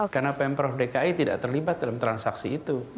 karena pemprov dki tidak terlibat dalam transaksi itu